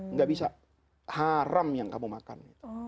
nggak bisa haram yang kamu makan